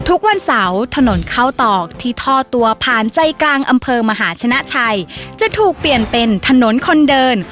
ทุกวันเสาร์ถนนเข้าตอกที่ท่อตัวผ่านใจกลางอำเภอมหาชนะชัยจะถูกเปลี่ยนเป็นถนนคนเดิน